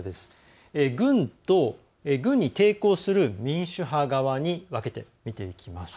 軍と軍に抵抗する民主派側に分けて見ていきます。